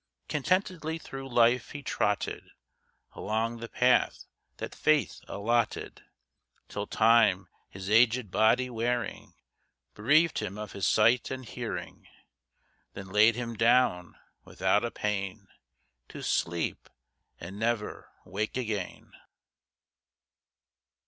Contentedly through life he trotted, Along the path that faith allotted, Till time, his aged body wearing, Bereaved him of his sight and hearing, Then laid him down without a pain To sleep, and never wake again.